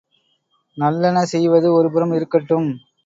நல்லன செய்வது ஒருபுறம் இருக்கட்டும்.